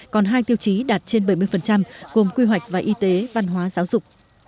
còn hai tiêu chí đạt trên bảy mươi gồm quy hoạch và y tế văn hóa giáo dục